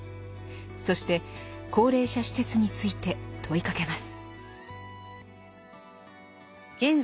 そして高齢者施設について問いかけます。